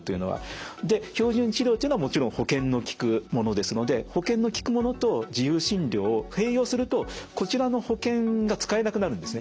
標準治療というのはもちろん保険のきくものですので保険のきくものと自由診療を併用するとこちらの保険が使えなくなるんですね。